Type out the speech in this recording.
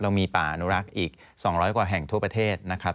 มีป่าอนุรักษ์อีก๒๐๐กว่าแห่งทั่วประเทศนะครับ